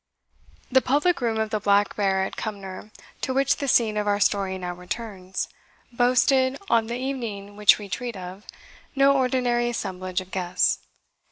The public room of the Black Bear at Cumnor, to which the scene of our story now returns, boasted, on the evening which we treat of, no ordinary assemblage of guests.